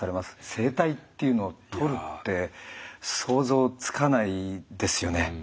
声帯っていうのを取るって想像つかないですよね。